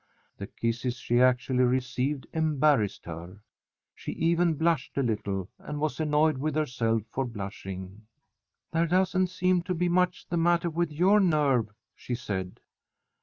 The kisses she actually received embarrassed her. She even blushed a little and was annoyed with herself for blushing. "There doesn't seem to be much the matter with your nerve," she said.